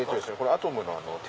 『アトム』の手